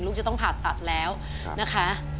ลูกจะต้องผ่าตัดแล้วนะคะ